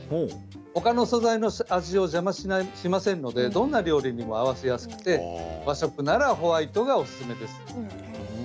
他の素材の味を邪魔しませんのでどんな料理にも合わせやすくて和食ならホワイトがおすすめです。